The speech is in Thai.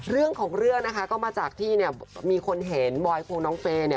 เรื่องของเรื่องมาจากที่มีคนเห็นบอยคลูกน้องเฟย์